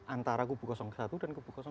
antara kubu satu dan kubu satu